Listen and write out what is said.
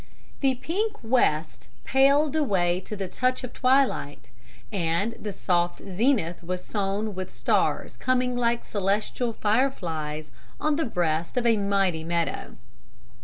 The pink west paled away to the touch of twilight, and the soft zenith was sown with stars coming like celestial fire flies on the breast of a mighty meadow.